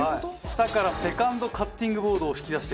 下からセカンドカッティングボードを引き出してください。